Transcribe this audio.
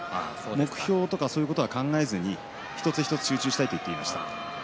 目標とかそういうことは考えずに一つ一つ集中したいと言っていました。